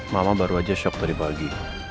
mama baru aja shock tadi pagi